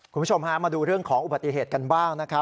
คุณผู้ชมฮะมาดูเรื่องของอุบัติเหตุกันบ้างนะครับ